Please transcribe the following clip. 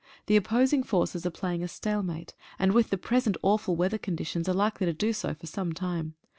The opposing forces are playing a stalemate, and with the pre sent awful weather conditions are likely to do so for some time.